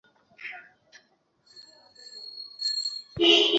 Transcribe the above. হেই, দেখো দরজায় কে আছে?